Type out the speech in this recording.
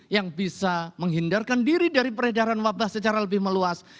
yang bisa menghindarkan diri dari peredaran wabah secara lebih meluas